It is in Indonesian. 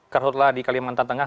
kerhutlah di kalimantan tengah